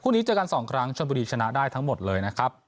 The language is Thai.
คู่นี้เจอกันสองครั้งช่วงผู้ดีชนะได้ทั้งหมดเลยนะครับ